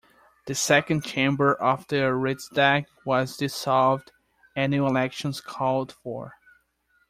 The second chamber of the Riksdag was dissolved and new elections called for.